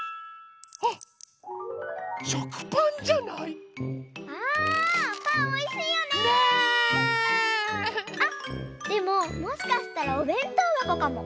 あっでももしかしたらおべんとうばこかも！